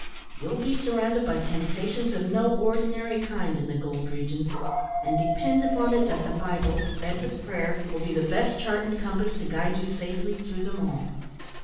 You'll be surrounded by temptations of no ordinary kind in the gold regions; and depend upon it that the Bible, read with prayer, will be the best chart and compass to guide you safely through them all."